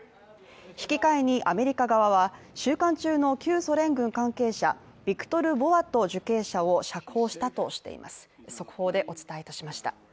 引き換えにアメリカ側は、収監中の旧ソ連軍関係者ビクトル・ボウト受刑者を釈放したとしています。